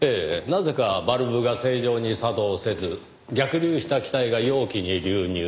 なぜかバルブが正常に作動せず逆流した気体が容器に流入。